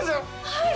はい！